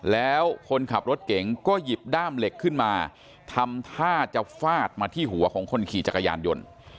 แล้วคนขับรถเก่งก็หยิบด้ามเหล็กขึ้นมาทำท่าจะฟาดมาที่หัวของคนขี่จักรยานยนต์